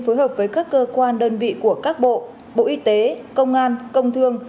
phối hợp với các cơ quan đơn vị của các bộ bộ y tế công an công thương